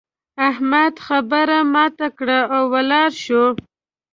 احمد خبره ماته کړه او ولاړ شو.